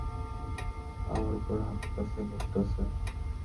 আমার উপর হাগতাছে, মুততাছে!